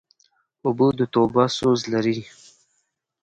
اوبه د توبه سوز لري.